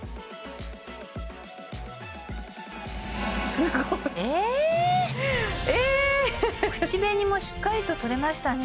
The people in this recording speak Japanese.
すごいえっ口紅もしっかりととれましたね